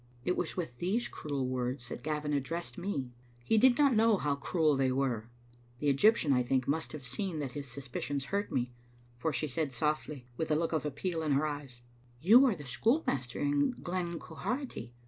" It was with these cruel words that Gavin addressed me. He did not know how cruel they were. The Egyptian, I think, must have seen that his suspicions hurt me, for she said, softly, with a look of appeal in her eyes —" You are the schoolmaster in Glen Quharity?